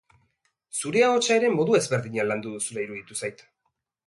Zure ahotsa ere modu ezberdinean landu duzula iruditu zait.